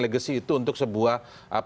legacy itu untuk sebuah